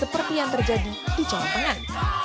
seperti yang terjadi di jawa tengah